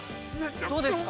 どうですか？